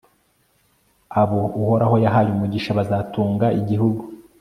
abo uhoraho yahaye umugisha bazatunga igihugu